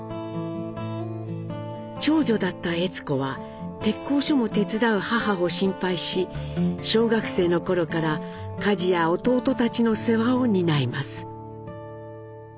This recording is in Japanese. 長女だった悦子は鉄工所も手伝う母を心配し小学生の頃から家事や弟たちの世話を担います。